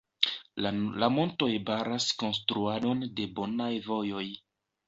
La montoj baras konstruadon de bonaj vojoj.